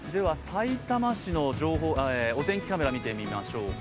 さいたま市のお天気カメラを見てみましょうか。